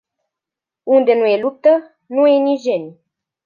Unde nu e luptă, nu e nici geniu.